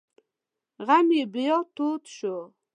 غم یې بیا تود شو.